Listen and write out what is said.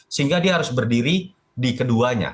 sehingga dia harus berdiri di keduanya